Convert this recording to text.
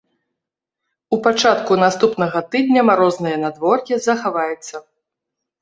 У пачатку наступнага тыдня марознае надвор'е захаваецца.